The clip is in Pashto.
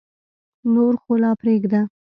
نور خو لا پرېږده.